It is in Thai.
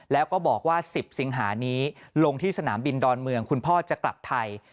แล้วก็บอกว่า๑๐สิงหานี้ลงที่สนามบินดอนเมืองคุณพ่อจะกลับไทย